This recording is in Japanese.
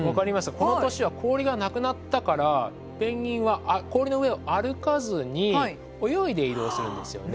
この年は氷がなくなったからペンギンは氷の上を歩かずに泳いで移動するんですよね。